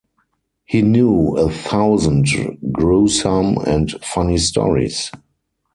He knew a thousand gruesome and funny stories.